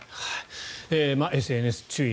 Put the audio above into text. ＳＮＳ注意。